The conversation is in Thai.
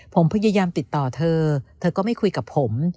ผมพยายามติดต่อเธอเธอก็ไม่คุยกับผม